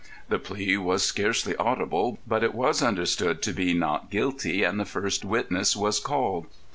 The plea was scarcely audible, but it was understood to be "Not guilty," and the first witness was called.